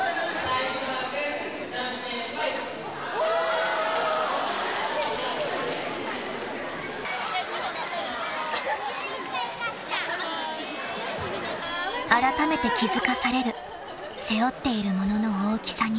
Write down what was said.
［あらためて気付かされる背負っているものの大きさに］